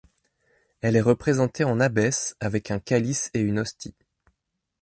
Elle est représentée en abbesse, avec un calice et une hostie.